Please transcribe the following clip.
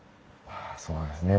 そうですね。